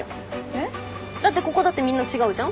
へっ？だってここだってみんな違うじゃん。